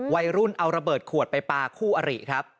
วัยรุ่นเอาระเบิดขวดไปปลาคู่อริครับ